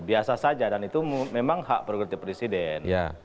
biasa saja dan itu memang hak prerogatif presiden